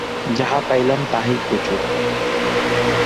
যাহা পাইলাম তাহাই প্রচুর।